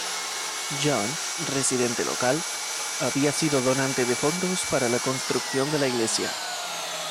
John, residente local, había sido donante de fondos para la construcción de la iglesia.